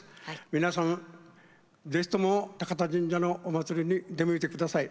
皆さん是非とも高田神社のおまつりに出向いて下さい。